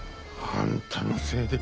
あんたのせいで。